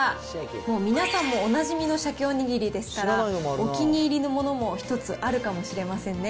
もう皆さんもおなじみのシャケお握りですから、お気に入りのものも一つあるかもしれませんね。